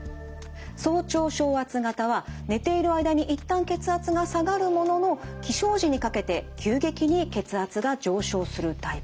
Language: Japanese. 早朝昇圧型は寝ている間に一旦血圧が下がるものの起床時にかけて急激に血圧が上昇するタイプです。